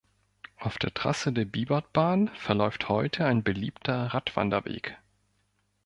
Auf der Trasse der Bibertbahn verläuft heute ein beliebter Radwanderweg.